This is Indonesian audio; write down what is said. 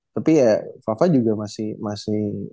tapi ya fava juga masih masih